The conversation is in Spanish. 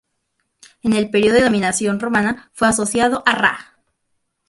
En el periodo de dominación romana fue asociado a Ra.